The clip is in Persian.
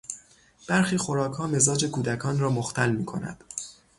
برخی خوراکها مزاج کودکان را مختل میکند.